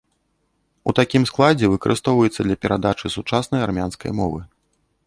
У такім складзе выкарыстоўваецца для перадачы сучаснай армянскай мовы.